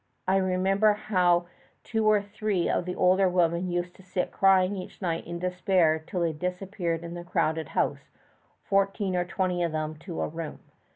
I remember how two or three of the older women used to sit crying each night in despair till they disappeared in the crowded house, fourteen or {xiii} twenty of them to a room.